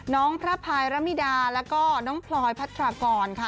น้องพระพายระมิดาแล้วก็น้องพลอยพัทรากรค่ะ